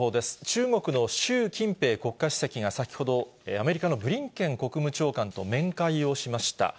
中国の習近平国家主席が先ほど、アメリカのブリンケン国務長官と面会をしました。